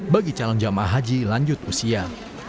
bagi calon jamaah haji lanjut usia